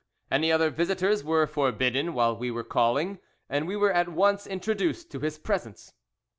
Any other visitors were forbidden while we were calling, and we were at once introduced to his presence.